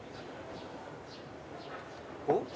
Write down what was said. おっ？